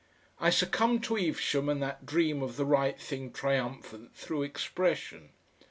I succumbed to Evesham and that dream of the right thing triumphant through expression.